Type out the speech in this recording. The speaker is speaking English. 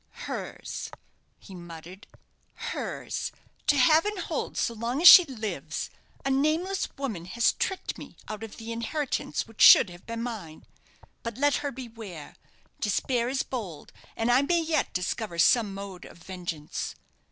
"Hers!" he muttered; "hers! to have and hold so long as she lives! A nameless woman has tricked me out of the inheritance which should have been mine. But let her beware! Despair is bold, and I may yet discover some mode of vengeance."